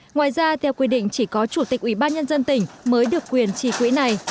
ngoài ra theo quy định chỉ có chủ tịch ủy ban nhân dân tỉnh mới được quyền trì quỹ này